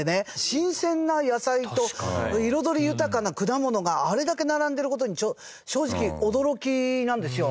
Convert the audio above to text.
新鮮な野菜と彩り豊かな果物があれだけ並んでる事に正直驚きなんですよ。